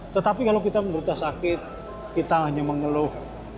tetapi kalau kita menderita sakit kita hanya mengeluh